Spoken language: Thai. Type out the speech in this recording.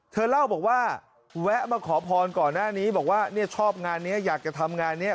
เธอเล่าบอกว่าแวะมาขอพรก่อนหน้านี้บอกว่าเนี่ยชอบงานนี้อยากจะทำงานนี้